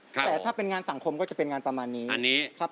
ได้ครับแต่ว่าต้องอยู่ในสายตาผม